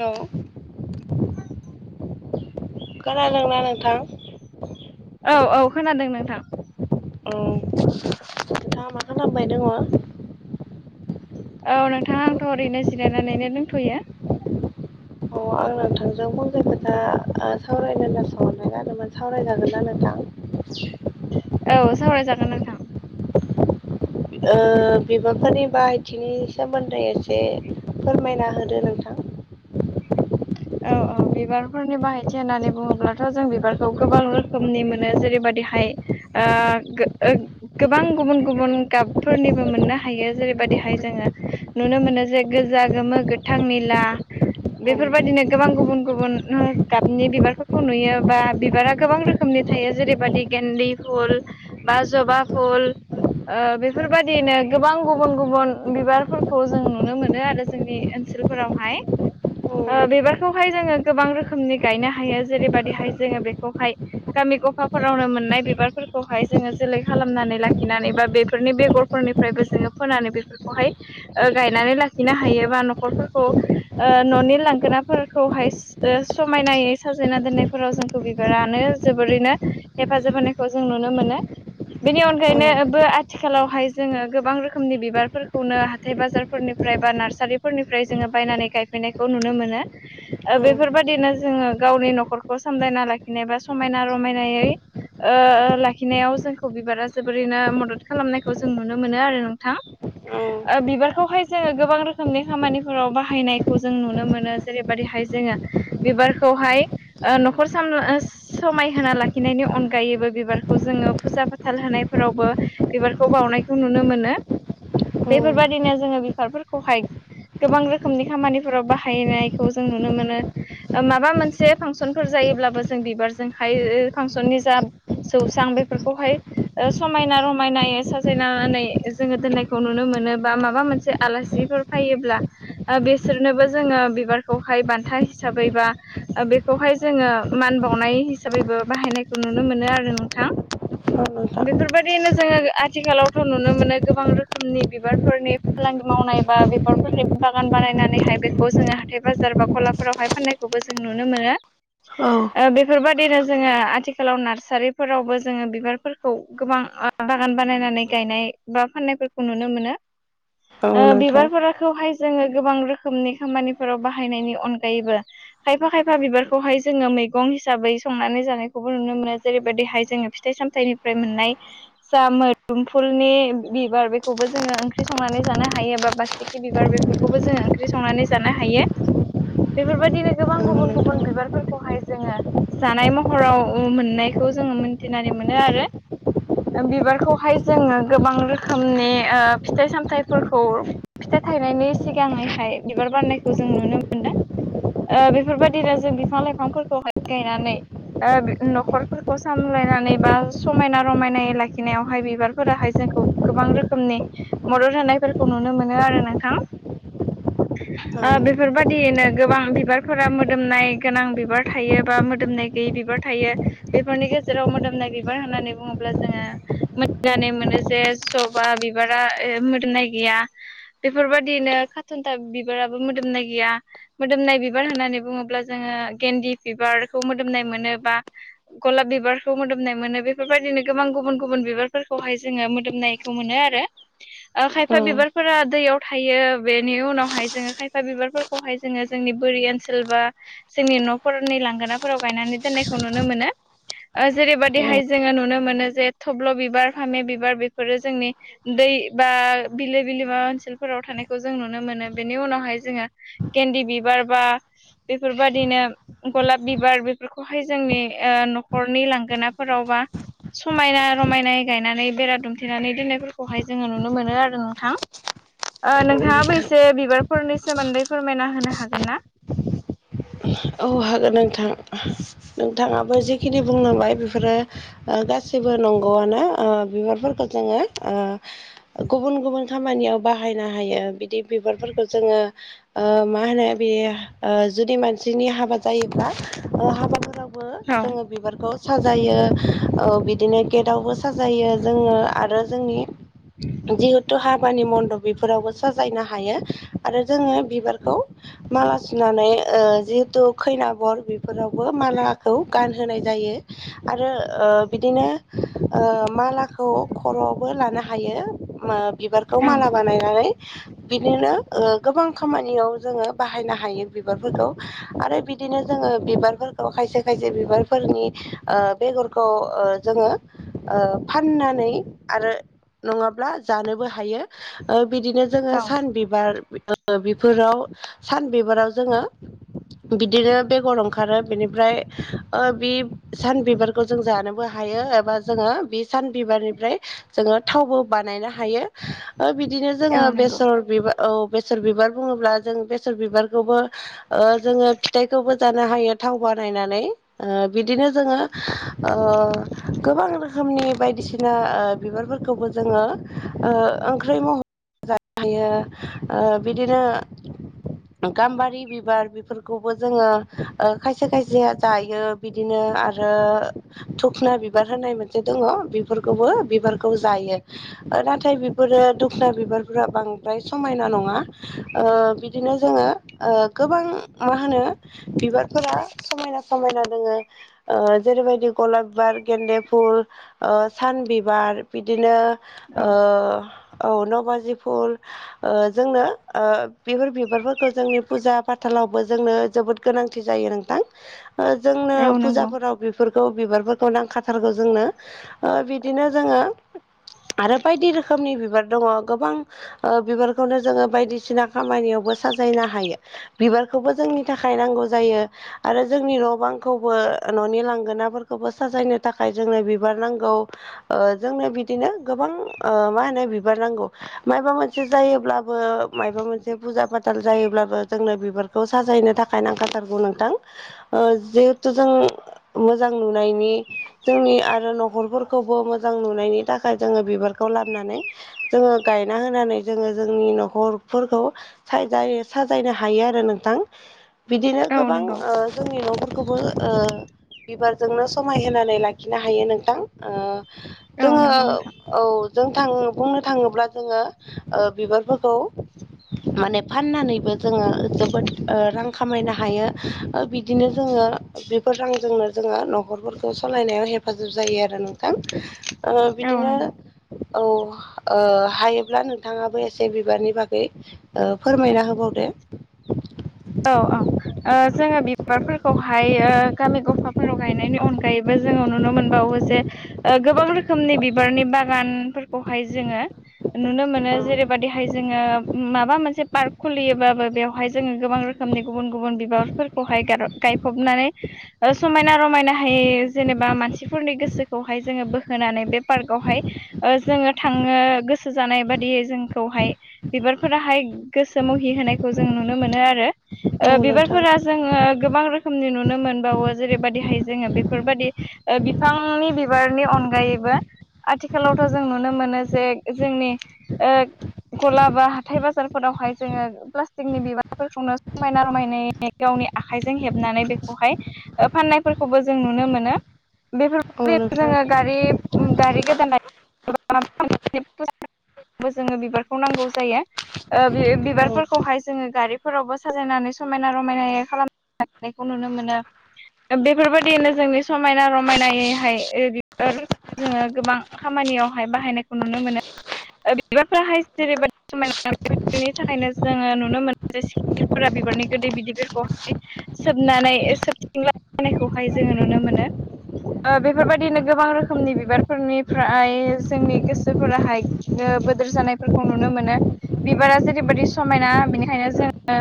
हेल' खोनादोंना नोंथां औ औ खोनादों नोंथां औ नोंथाङख मा खालामबाय दङ'? औ नोंथां आंथ' ओरैनो जिरायनानैनो दंथ'यो। अ आं नोंथांजों फंसे खोथा आ सावरायनो होननासो हरनाय जादोंमोन सावरायजागोन ना नोंथां? [inaudible] औ सावरायजागोन नोंथां। ओ बिबारफोरनि बाहायथिनि सोमोन्दै एसे फोरमायना होदो नोंथां। औ औ बिबारफोरनि बाहायथि होननानै बुंङोब्लाथ' जों बिबारखौ गोबां रोखोमनि मोनो जेरैबादिहाय ओ गो गोबां गुबुन गुबुन गाबफोरनिबो मोननो हायो जेरैबायदिहाय जोङो नुनो मोनो जे गोजा, गोमो, गोथां, निला औ बेफोरबायदिनो गोबां गुबुन गुबुन ओ गाबनि बिबारफोरखौ नुयो बा बिबारा गोबां रोखोमनि थायो जेरैबादि गेन्दि फुल बा जबा फुल ओ बेफोरबादिनो गोबां गुबुन गुबुन बिबारफोरखौ जों नुनो मोनो आरो। जोंनि ओनसोलफोरावहाय। ओ बिबो बेखौहाय जोङो गोबां रोखोमनि गायनो हायो। जेरैबायदिहाय जोङो बेखौहाय गामि गफाफोरावनो मोननाय बिबारफोरखौहाय जोङो जोलै खालामनानै लाखिनानै बा बेफोरनि बेगर फोरनिफ्रायबो जोङो फोनानै बेफोरखौहाय ओ गायनानै लाखिनो हायो बा न'खरफोरखौ ओ न'नि लांगोनाफोर खौहाय ओ समायनायै साजायना दोननायफोराव जोंखौ बिबारानो जोबोरैनो हेफाजाब होनायखौ जों नुनो मोनो। बेनि अनगायैनोबो आथिखालावहाय जोङो गोबां रोखोमनि बिबारफोरखौनो हाथाय बाजार फोरनिफ्राय बा नार्सारिफोरनिफ्राय जोङो बायनानै गायफैनायखौ नुनो मोनो। ओ औ बेफोरबायदिनो जोङो गावनि न'खरखौ सामलायना लाखिनाय बा समायना रमायनायै ओ ओ लाखिनायाव जोंखौ बिबारा जोबोरैनो मदद खालामनायखौ जों नुनो मोनो आरो नोंथां। ओ बिबारखौहाय जोङो गोबां रोखोमनि खामानिफोराव बाहायनायखौ जों नुनो मोनो। जेरैबायदिहाय जोङो बिबारखौहाय ओ न'खर साम ओ समाय होना लाखिनायनि अनगायैबो बिबारखौ जोङो फुजा फाथाल होनायफोरावबो बिबारखौ बावनायखौ नुनो मोनो। बेफोरबायदिनो जोङो बिबारफोरखौहाय गोबां रोखोमनि खामानिफोराव बाहायनाय खौ जों नुनो मोनो। ओ माबा मोनसे फांसनफोर जायोब्लाबो जों बिबारजोंहाय ओ फांसननि जा जौसां बेफोरखौहाय ओ समायना रमायनाय साजायनानै जोङो दोननायखौ नुनो मोनो बा माबा मोनसे आलासिफोर फायोब्ला ओ बिसोरनोबो जोङो बिबारखौहाय बान्था हिसाबै बा ओ बेखौहाय जोङो मान बावनाय हिसाबैबो बाहायनायखौ नुनो मोनो आरो नोंथां। औ [unintelligible] बेफोरबायदिनो जोङो आथिखालावथ' नुनो मोनो गोबां रोखोमनि बिबारफोरनि फालांगि मावनाय बा बिबारफोरनि बागान बानायनानैहाय बेखौ जोङो हाथाय बाजार बा गलाफोरावहाय फाननायखौबो जों नुनो मोनो। ओ बेफोरबायदिनो जोङो आथिखालाव नार्सारिफोरावबो जोङो बिबारफोरखौ गोबां बागान बानायनानै गायनाय बा फाननायफोरखौ नुनो मोनो। [inaudible] ओ नोंथां औ नोंथां बिबारफोरखौहाय जोङो गोबां रोखोमनि खामानिफोराव बाहायनायनि अनगायैबो खायफा खायफा बिबारखौहाय जोङो मैगं हिसाबै संनानै जानायखौबो नुनो मोनो जेरैबायदिहाय जोङो फिथाइ साम फाथाइनिफ्राय मोननाय जा मोदोमफुलनि बिबार बेखौबो जोङो ओंख्रि संनानै जानो हायो बा बासिखि बिबार बेखौ खौबो जोङो ओंख्रि संनानै जानो हायो। बेफोरबायदिनो गोबां औ गुबुन नोंथां गुबुन बिबारफोरखौहाय जोङो जानाय महराव ओ मोननायखौ जोङो मोन्थिनानै मोनो आरो ओ बिबारखौहाय जोङो गोबां रोखोमनि ओ फिथाइ सामथाइफोरखौ फिथाय थायनायनि सिगाङैहाय बिबार बारनायखौ जों नुनो मोन्दों। ओ बेफोरबादिनो जों बिफां लाइफांफोरखौहाय गायनानै ओ न खरफोरखौ सामलायनानै बा समायना रमायनाय लाखिनायावहाय बिबारफोराहाय जोंखौ गोबां रोखोमनि मदद होनायफोरखौ नुनो मोनो आरो नोंथां ओ बेफोरबादियैनो गोबां बिबारफोरा मोदोमनाय गोनां बिबार थायो बा मोदोमनाय गैयै बिबार थायो बेफोरनि गेजेराव मोदोमनाय बिबार होननानै बुङोब्ला जोङो मोनथिनानै मोनो जे जबा बिबारा ए मोदोमनाय गैया बेफोरबायदियैनो खारथुनथा बिबाराबो मोदोमनाय गैया मोदोमनाय बिबार होननानै बुङोब्ला जोङो गेन्दि बिबारखौ मोदोमनाय मोनो बा गलाब बिबारखौ मोदोमनाय मोनो बेफोरबायदिनो गोबां गुबुन गुबुन बिबारफोरखौहाय जोङो मोदोमनायखौ मोनो आरो [inaudible] ओ खायफा बिबारफोरा दैयाव थायो बेनि उनावहाय जोङो खायफा बिबारफोरखौहाय जोङो जोंनि बोरि ओनसोल बा जोंनि न फोरनि लांगोनाफोराव गायनानै दोननायखौ नुनो मोनो ओ औ जेरैबादिहाय जोङो नुनो मोनो जे थब्ल बिबार फामे बिबार बेफोरो जोंनि दै बा बिलो बिलोमा ओनसोलफोराव थानायखौ जों नुनो मोनो बेनि उनाव हायो जोङो गेन्दि बिबार बा बेफोरबादिनो गलाब बिबार बेफोरखौहाय जोंनि ओ नखरनि लांगोना फोरावबा समायना रमायनायै गायनानै बेरा दुमथेनानै दोननायफोरखौहाय जोङो नुनो मोनो आरो नोंथां [inaudible] ओ औ नोंथाङाबो नोंथां एसे बिबारफोरनि सोमोन्दै फोरमायना होनो हागोन ना? औ हागोन नोंथां नोंथाङाबो जिखिनि बुंलांबाय बिफोरो ओ गासिबो नंगौआनो ओ बिबारफोरखौ जोङो ओ गुबुन गुबुन खामानियाव बाहायनो हायो बि थिग बिबारफोरखो जोङो ओ मा होनो बेयो जुदि मानस सिनि हाबा जायोब्ला ओ हाबाफोरावबो औ जोङो बिबारखौ साजायो ओ बिदिनो गेटावबो साजायो जोङो आरो जोंनि जिहुत तु हाबानि मन्दब बेफोरावबो साजायनो हायो आरो जोङो बिबारखौ माला सुनानै ओ जिहेतु खैना बर बिफोरावबो मालाखौ गानहोनाय जायो आरो ओ बिदिनो ओ मालाखौ खर आवबो लानो हायो ओ बिबारखौ औ माला बानायनानै बिदिनो ओ गोबां खामानियाव जोङो बाहायनो हायो बिबारफोरखौ आरो बिदिनो जोङो बिबारफोरखौ खायसे खायसे बिबारफोरनि ओ बेगरखौ ओ जोङो ओ फाननानै आरो नङाब्ला जानोबो हायो ओ बिदिनो जोङो सान औ बिबार [unintelligible] बिफोराव सान बिबाराव जोङो बिदिनो बेगर ओंखारो बिनिफ्राय ओ बि सान बिबारखौ जों जानोबो हायो एबा जोङो बि सान बिबारनिफ्राय जोङो थावबो बानायनो हायो ओ बिदिनो जोङो औ नंगौ बेसर बिबा औ बेसर बिबार बुङोब्ला जों बेसर बिबारखौबो ओ जोङो फिथाइखौबो जानो हायो थाव बानायनानै ओ बिदिनो जोङो ओ गोबां रोखोमनि बायदिसिना ओ बिबारफोरखौबो जोङो ओ ओंख्रै मह जानो हायो ओ बिदिनो गाम्बारि बि बार बेफोरखौबो जोङो ओ खायसे खायसेया जायो बिदिनो आरो दुखना बिबार होनाय मोनसे दङ बेफोरखौबो बिबारखौ जायो नाथाय बिफोरो दुखना बिबारफोरा बांद्राय समायना नङा ओ बिदिनो जोङो ओ गोबां मा होनो बिबारफोरा समायना समायना दङो। जेरैबायदि गलाब बिबार गेन्दे फुल अ सान बिबार। बिदिनो अ। औ औ नबाजि फुल जोंनो बेफोर बिबारफोरखौ जोंनि फुजा फाथालावबो जोंनो जोबोद गोनांथि जायो नोंथां। जोंनो औ नंगौ फुजाफोराव फोरखौ बिबारफोरखौ नांखाथारगौ जोंनो ओ बिदिनो जोङो आरो बायदि रोखोमनि बिबार दङ गोबां। अ बिबारखौनो जोङो बायदिसिना खामानियावबो साजायनो हायो। बिबारखौबो जोंनि थाखाय नांगौ जायो। आरो जोंनि न' बांखौबो न'नि लांगोनाफोरखौबो साजायनो थाखाय जोंनो बिबार नांगौ। जोंनो बिदिनो गोबां ओ मा होनो बिबार नांगौ। माबा मोनसे जायोब्लाबो माबा मोनसे फुजा फाथाल जायोब्लाबो जोंनो बिबारखौ साजायहनो थाखाय नांखाथारगौ नोंथां। जिहेथु जों मोजां नुनायनि जोंनि आरो न'खरफोरखौबो मोजां नुनायनि थाखाय जोङो बिबारखौ लाबोनानै जोङो गायना होनानै जोङो जोंनि न'खरफोरखौ साजायो साजाय जायनो हायो आरो नोंथां बिदिनो औ गोबां नंगौ ओ जोंनि न'फोरखौबो ओ बिबारजोंनो समाय होनानै लाखिनो हायो नोंथां अ। औ जोङो नंगौ नोंथां औ जों थां बुंनो थाङोब्ला जोङो बिबारफोरखौ माने फाननानैबो जोङो जोबोद रां खामायनो हायो बिदिनो जोङो बे फोर रांजोंनो जोङो न'खरफोरखौ सालायनायाव हेफाजाब जायो आरो नोंथां। ओ औ बिदिनो नंगौ औ ओ हायोब्ला नोंथाङाबो एसे बिबारनि बागै फोरमायना होबावदो। औ ओं जोङो बिबारफोरखौहाय गामि गफाफोराव गायनायनि अनगायैबो जोङो नुनो मोनबावो जे गोबां रोखोमनि बिबारनि बागानफोरखौहाय जोङो नुनो मोनो जेरैबायदिहाय जोङो माबा मोनसे पार्क खुलियोबाबो बेवहाय जोङो गोबां रोखोमनि गुबुन गुबुन बिबारफोरखौहाय गायफबनानै समायना रमायनाहाय जेनेबा मानसिफोरनि गोसोखौहाय जोङो बोहोनानै बे पार्कआवहाय जोङो थांनो गोसो जानाय बादियै जोंखौहाय बिबारफोराहाय गोसो मुहि होनायखौ जों नुनो मोनो आरो। औ ओ नोंथां बिबारफोरा जोङो गोबां रोखोमनि नुनो मोनबावो जेरैबायदिहाय जोङो बेफोरबायदि ओ बिफांनि बिबारनि अनगायैबो आथिखालावथ' जों नुनो मोनो जे जोंनि ओ गला बा हाथाय बाजारफोरावहाय जोङो प्लास्टिकनि बिबारफोरखौनो सममायना रमायनायै गावनि आखाइजों हेबनानै बेखौहाय ओ फाननायफोरखौबो जों नुनो मोनो औ बेफोरबायदि नोंथां जोङो गारि उम गारि गोदान [inaudible] जोङो बिबारखौ नांगौ जायो। ओ औ बिबारफोरखौहाय जोङो गारिफोरावबो साजायनानै समायना रमायनायै खालामनायखौ नुनो मोनो। बेफोरबायदिनो जोंनि समायना रमायनायैहाय बेफोर जोङो गोबां खामानियावहाय बाहायनायखौ नुनो मोनो। बिबारफोराहाय जेरैबायदि समायना बेनि थाखायनो जोङो नुनो मोनो सि खिरिफोरा बिबारनि गोदै बिदैफोरखौहाय सोबनानै सोबथिंला बायनायखौहाय जोंङो नुनो मोनो। ओ बेफोर बायदिनो गोबां रोखोमनि बिबार फोरनिफ्राय जोंनि गोसोफोराहाय बोदोर जानायफोरखौ नुनो मोनो बिबारा जेरैबायदि समायना बेनिखायनो जोंङो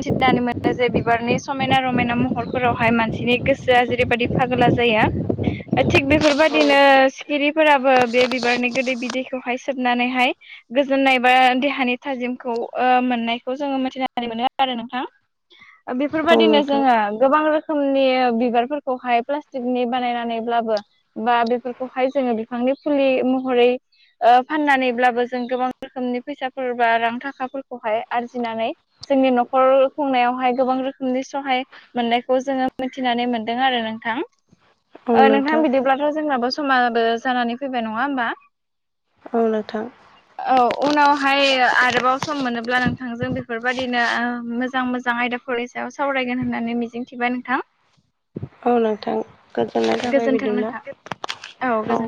मिथिनानै मोनो जे बिबारनि समायना- रमायना महरफोरावहाय मानसिनि गोसोआ जेरैबायदि फागोला जाया थिग बेफोर बायदिनो सिखिरिफोराबो बे बिबारनि गोदै बिदैखौहाय सोबनानैहाय गोजोननाय बा देहानि थाजिमखौ ओ मोननायखौ जोंङो मिथिनो मोनो आरो नोंथां। बेफोर औ नोंथां औ बायदिनो नोंथां जोंङो गोबां रोखोम रोखोमनि बिबार फोरखौहाय प्लास्टिकनि बानायनानैब्लाबो बा बेफोरखौहाय जोंङो बिफांनि फुलि महरै ओ फाननानैब्लाबो जों गोबां रोखोमनि फैसाफोर बा रां थाखा फोरखौहाय आरजिनानै जोंनि नखर खुंनायावहाय गोबां रोखोमनि सहाय मोननायखौ जोंङो मिथिनानै मोनदों आरो नोंथां। नोंथां बिदिब्लाथ' जोंनाबो समाबो जानानै फैबाय नङा होमबा? औ नोंथां। औ उनावहाय आरोबाव सम मोनोब्ला नोंथांजों [unintelligible] बेफोर बायदिनो ओ मोजां- मोजां आयदाफोरनि सायाव सावरायगोन होननानै मिजिं थिबाय नोंथां। औ नोंथां गोजोननाय जाबाय गोजोन्थों बिदिब्ला। नोंथां औ।